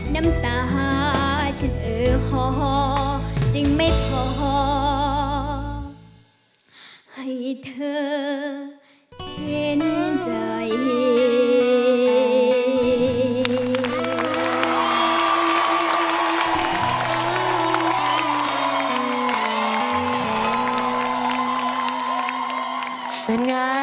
น้ำตาฉันเออคอจึงไม่พอให้เธอเห็นใจ